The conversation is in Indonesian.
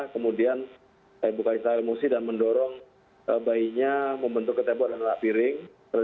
kemudian ibu kalista ilmusi dan mendorong bayinya membentuk ketebo dan anak piring